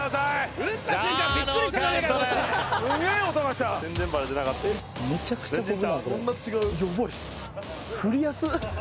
振りやすっ！